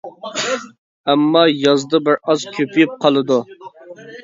ئەمما يازدا بىر ئاز كۆپىيىپ قالىدۇ.